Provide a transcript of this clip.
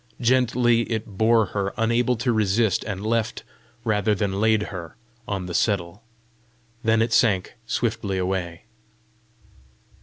Gently it bore her, unable to resist, and left rather than laid her on the settle. Then it sank swiftly away.